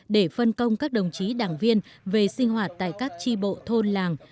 để phân công các đồng chí đảng viên về sinh hoạt tại các tri bộ thôn làng